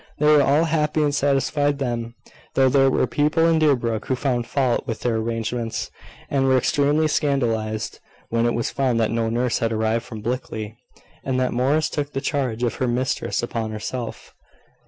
They were all happy and satisfied then, though there were people in Deerbrook who found fault with their arrangements, and were extremely scandalised when it was found that no nurse had arrived from Blickley, and that Morris took the charge of her mistress upon herself.